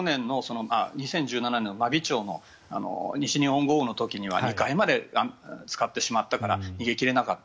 ２０１７年の真備町の西日本豪雨の時は２階までつかってしまったので逃げ切れなかった。